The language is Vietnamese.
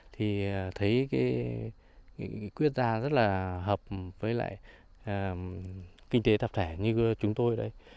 thì thấy quyết ra rất là hợp với lại kinh tế tập thể như chúng tôi đây